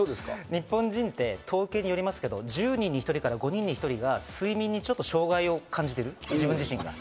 日本人で統計的によりますけど１０人に１人から、５人に１人が睡眠に障害を感じている、自分自身が。